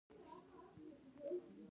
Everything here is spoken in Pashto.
هغه د کرکټ لوبډلې ته د سندرې ویلو شرط کېښود